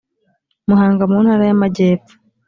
muhanga mu ntara y amajyepfo